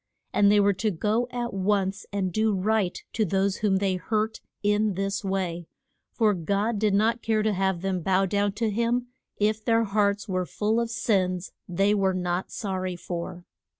And they were to go at once and do right to those whom they hurt in this way, for God did not care to have them bow down to him if their hearts were full of sins they were not sor ry for.